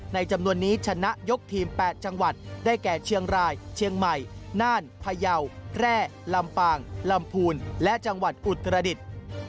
จำนวนนี้ชนะยกทีม๘จังหวัดได้แก่เชียงรายเชียงใหม่น่านพยาวแพร่ลำปางลำพูนและจังหวัดอุตรดิษฐ์